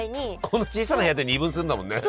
この小さな部屋で二分するんだもんね。